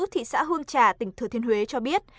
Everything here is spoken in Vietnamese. thị xã hương trà tỉnh thừa thiên huế cho biết